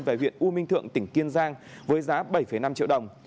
về huyện u minh thượng tỉnh kiên giang với giá bảy năm triệu đồng